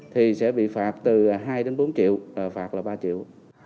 thì sẽ bị phạt từ hai đến bốn triệu phạt là ba triệu